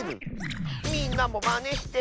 「みんなもまねして」